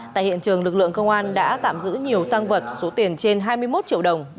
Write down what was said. tại hiện trường lực lượng công an đã tạm giữ nhiều tăng vật số tiền trên hai mươi một triệu đồng